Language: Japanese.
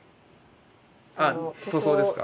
ああ塗装ですか？